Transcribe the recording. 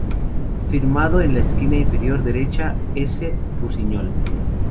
Firmado en la esquina inferior derecha: "S. Rusiñol".